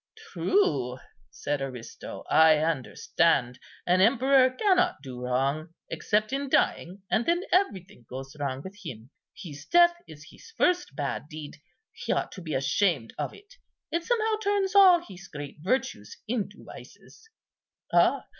"True," said Aristo, "I understand; an emperor cannot do wrong, except in dying, and then everything goes wrong with him. His death is his first bad deed; he ought to be ashamed of it; it somehow turns all his great virtues into vices." "Ah!